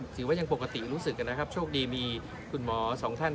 ถือว่ายังปกติรู้สึกนะครับโชคดีมีคุณหมอสองท่าน